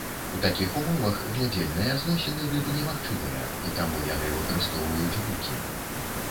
У такіх умовах глядзельныя зносіны рыб немагчымыя, і таму яны выкарыстоўваюць гукі.